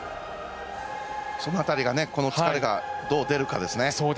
その辺りが疲れがどう出るかですね。